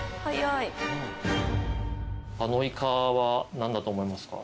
あのイカは何だと思いますか？